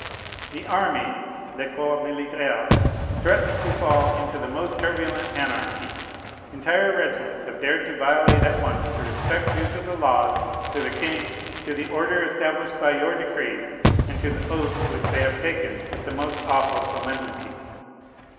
The army [le corps militaire] threatens to fall into the most turbulent anarchy. Entire regiments have dared to violate at once the respect due to the laws, to the king, to the order established by your decrees, and to the oaths which they have taken with the most awful solemnity.